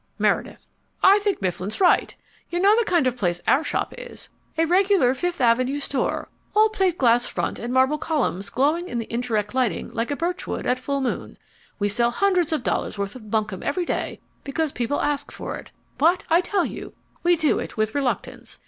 MEREDITH I think Mifflin's right. You know the kind of place our shop is: a regular Fifth Avenue store, all plate glass front and marble columns glowing in the indirect lighting like a birchwood at full moon. We sell hundreds of dollars' worth of bunkum every day because people ask for it; but I tell you we do it with reluctance.